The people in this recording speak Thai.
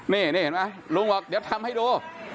นี่เห็นไหมลุงบอกเดี๋ยวทำให้ดู